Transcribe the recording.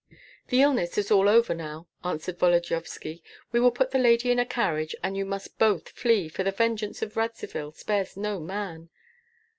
"The illness is all over now," answered Volodyovski. "We will put the lady in a carriage; you must both flee, for the vengeance of Radzivill spares no man."